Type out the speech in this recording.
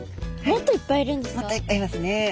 もっといっぱいいますね。